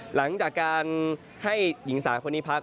หลังจากการให้หญิงสาวคนนี้พัก